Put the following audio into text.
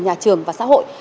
nhà trường và xã hội